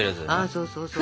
そうそうそう。